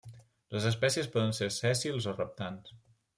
Les espècies poden ser sèssils o reptants.